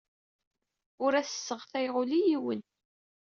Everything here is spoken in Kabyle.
Ur as-sseɣtayeɣ ula i yiwen.